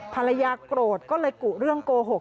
ภรรยาโกรธก็เลยกุเรื่องโกหก